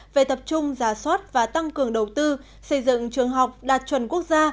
về tập trung giả soát và tăng cường đầu tư xây dựng trường học đạt chuẩn quốc gia